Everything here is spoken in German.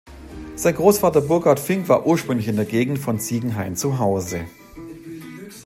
Sein Großvater Burckhard Finck war ursprünglich in der Gegend von Ziegenhain zu Hause.